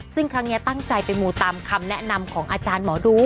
ซึ่งครั้งนี้ตั้งใจไปมูตามคำแนะนำของอาจารย์หมอดู